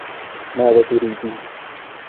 ماذا تريدين ؟